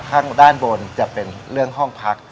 ข้างด้านบนจะเป็นเรื่องห้องพัก